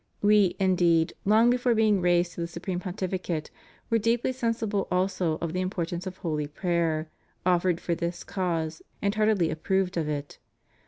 We, indeed, long before being raised to the Supreme Pontificate, were deeply sensible also of the importance of holy prayer offered for this cause, and heartily approved of it.